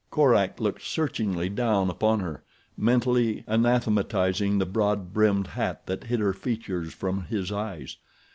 Korak looked searchingly down upon her, mentally anathematizing the broad brimmed hat that hid her features from his eyes.